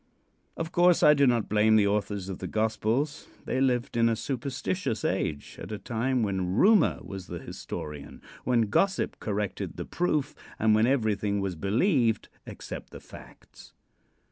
Of course, I do not blame the authors of the gospels. They lived in' a superstitious age, at a time when Rumor was the historian, when Gossip corrected the "proof," and when everything was believed except the facts.